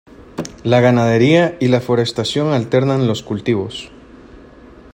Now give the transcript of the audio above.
La ganadería y la forestación, alternan los cultivos.